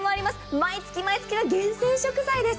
毎月毎月が厳選食材です。